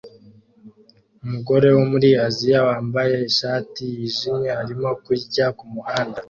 Umugore wo muri Aziya wambaye ishati yijimye arimo kurya kumuhanda